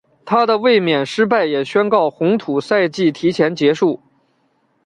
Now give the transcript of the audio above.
她的卫冕失败也宣告红土赛季提前结束。